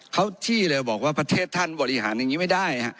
เขาชี้เลยบอกว่าประเทศท่านบริหารอย่างนี้ไม่ได้